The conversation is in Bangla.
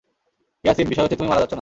ইয়াসিন, বিষয় হচ্ছে তুমি মারা যাচ্ছনা।